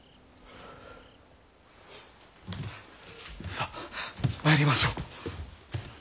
さあ参りましょう。